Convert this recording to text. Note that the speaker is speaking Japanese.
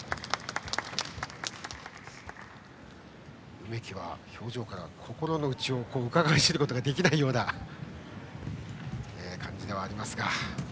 梅木は表情からは心の内をうかがい知ることができないような感じではあります。